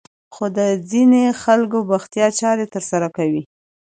خو د ځينې خلکو بوختيا چارې ترسره کوي.